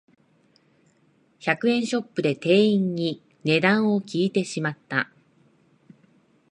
百円ショップで店員に値段を聞いてしまった